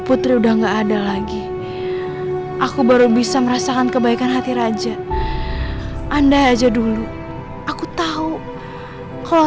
putri udah nggak ada lagi aku baru bisa merasakan kebaikan hati raja andai aja dulu aku tahu kalau